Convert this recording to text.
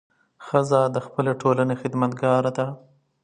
ښځه د خپلې ټولنې خدمتګاره ده.